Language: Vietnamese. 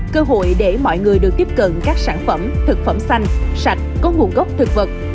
cơ hội để mọi người được tiếp cận các sản phẩm thực phẩm xanh sạch có nguồn gốc thực vật